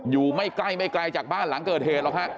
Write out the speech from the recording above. อยู่ไม่ใกล้ไม่ไกลจากบ้านหลังเกิดเหตุหรอกฮะ